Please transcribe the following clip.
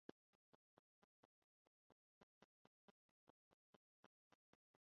Li ne estas homo, kiun oni povus trompi.